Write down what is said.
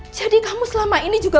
jadi kamu selama ini juga